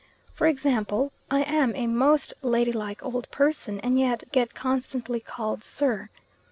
For example, I am a most ladylike old person and yet get constantly called "Sir."